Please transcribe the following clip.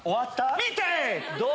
見て。